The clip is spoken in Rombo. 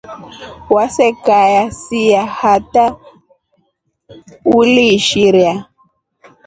Waseka siya hata uliishira.